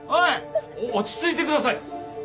落ち着いてください。